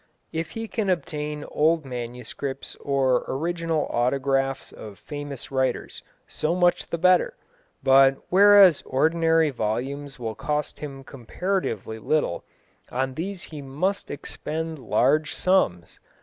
If he can obtain old manuscripts or original autographs of famous writers, so much the better; but whereas ordinary volumes will cost him comparatively little, on these he must expend large sums.